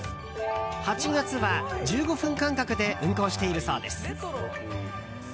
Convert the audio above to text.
８月は１５分間隔で運行しているそうです。